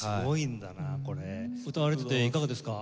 歌われてていかがですか？